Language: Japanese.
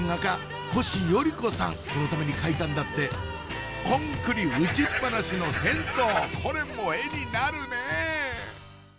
このために描いたんだってコンクリ打ちっぱなしの銭湯